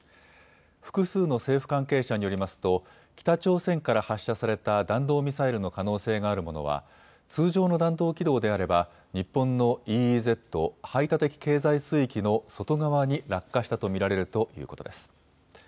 複数の政府関係者によりますと北朝鮮から発射された弾道ミサイルの可能性があるものは通常の弾道軌道であれば日本のＥＥＺ・排他的経済水域の外側に落下したと見られるということです。